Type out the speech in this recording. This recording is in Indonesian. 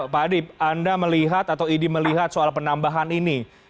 pak adip anda melihat atau idi melihat soal penambahan ini